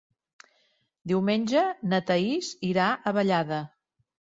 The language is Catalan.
Diumenge na Thaís irà a Vallada.